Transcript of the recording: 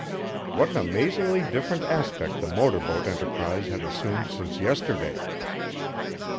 What an amazingly different aspect the motor boat enterprise had assumed since yesterday!